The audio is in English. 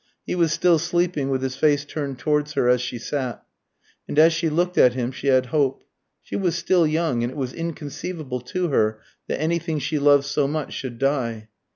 He was still sleeping, with his face turned towards hers as she sat. And as she looked at him she had hope. She was still young, and it was inconceivable to her that anything she loved so much should die.